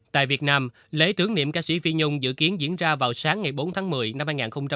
tại việt nam lễ tướng niệm ca sĩ phi nhung dự kiến diễn ra vào sáng ngày bốn tháng một mươi năm hai nghìn hai mươi một